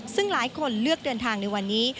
ซึ่งหลายคนเลือกเดินทางในวันนี้